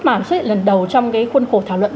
mà xuất hiện lần đầu trong cái khuôn khổ thảo luận